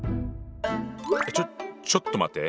ちょちょっと待って。